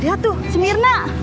lihat tuh si mirna